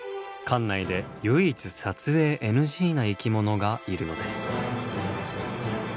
館内で唯一撮影ＮＧな生き物がいるのです。